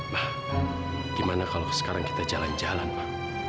ma gimana kalau sekarang kita jalan jalan ma